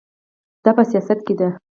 دا په سیاست کې ده.